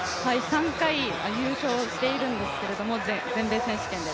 ３回、優勝しているんですけど、全米選手権で。